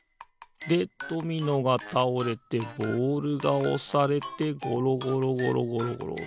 でドミノがたおれてボールがおされてごろごろごろごろ。